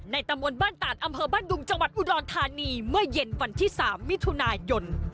ตำบลบ้านตาดอำเภอบ้านดุงจังหวัดอุดรธานีเมื่อเย็นวันที่๓มิถุนายน